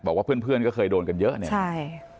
บอกว่าเพื่อนก็เคยโดนกันเยอะเนี่ย